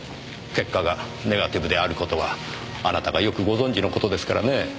結果がネガティブである事はあなたがよくご存じの事ですからねぇ。